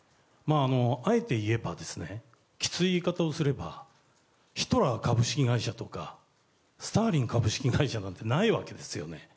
あえて言えばきつい言い方をすればヒトラー株式会社とかスターリン株式会社なんてないわけですよね。